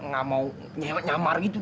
nggak mau nyewa nyamar gitu